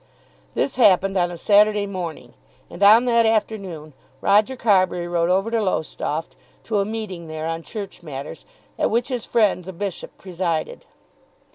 This happened on a Saturday morning, and on that afternoon Roger Carbury rode over to Lowestoft, to a meeting there on church matters at which his friend the bishop presided.